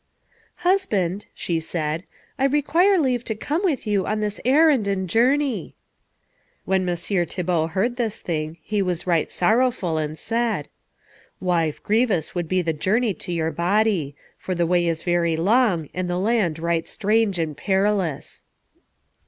"Husband," she said, "I require leave to come with you on this errand and journey." When Messire Thibault heard this thing he was right sorrowful, and said, "Wife, grievous would be the journey to your body, for the way is very long, and the land right strange and perilous."